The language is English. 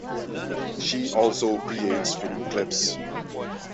She also creates video clips.